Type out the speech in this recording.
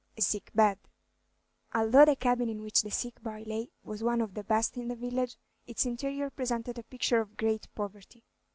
A SICK BED Although the cabin in which the sick boy lay was one of the best in the village, its interior presented a picture of great poverty.